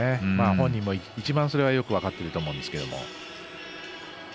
本人も一番それはよく分かってると思うんですけど。